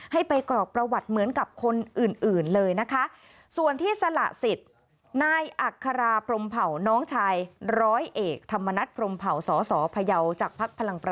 ให้ไปกรอกประวัติเหมือนกับคนอื่นเลยนะคะ